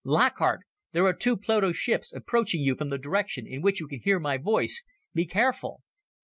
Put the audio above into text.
"Lockhart! There are two Pluto ships approaching you from the direction in which you can hear my voice. Be careful!"